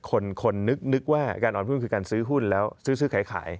คนนึกว่าการออนหุ้นคือการซื้อหุ้นแล้วซื้อขาย